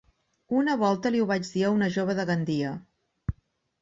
Una volta li ho vaig dir a una jove de Gandia.